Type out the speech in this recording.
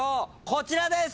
こちらです！